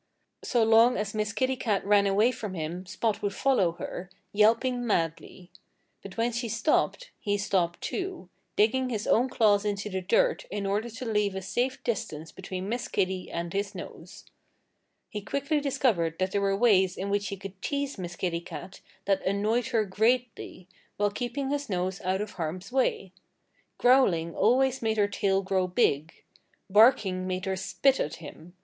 So long as Miss Kitty Cat ran away from him Spot would follow her, yelping madly. But when she stopped, he stopped too, digging his own claws into the dirt in order to leave a safe distance between Miss Kitty and his nose. He quickly discovered that there were ways in which he could tease Miss Kitty Cat that annoyed her greatly, while keeping his nose out of harm's way. Growling always made her tail grow big. Barking made her spit at him.